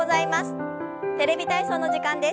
「テレビ体操」の時間です。